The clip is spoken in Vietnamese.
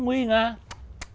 vang tiếng chim ca